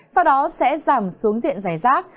sau đó sẽ giảm xuống diện giải rác